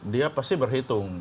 dia pasti berhitung